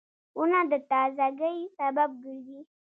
• ونه د تازهګۍ سبب ګرځي.